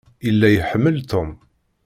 Yella iḥemmel Tom.